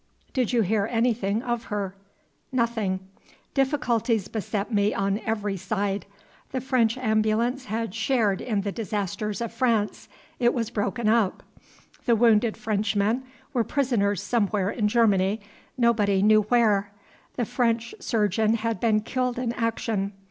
"Did you hear anything of her?" "Nothing. Difficulties beset me on every side. The French ambulance had shared in the disasters of France it was broken up. The wounded Frenchmen were prisoners somewhere in Germany, nobody knew where. The French surgeon had been killed in action.